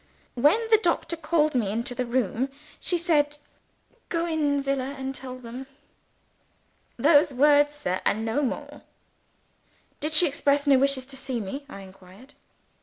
When the doctor called me into the room, she said: 'Go in, Zillah, and tell them.' Those words, sir, and no more." "Did she express no wish to see me?" I inquired.